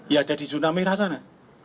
ya ada di zona merah sana